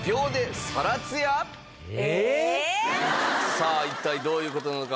さあ一体どういう事なのか？